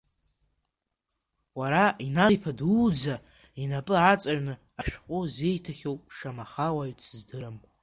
Уара, Иналиԥа дуӡӡа инапы аҵаҩны ашәҟәы зиҭахьоу шамаха уаҩ дсыздырам.